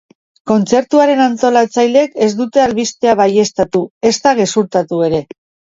Kontzertuaren antolatzaileek ez dute albistea baieztatu, ezta gezurtatu ere.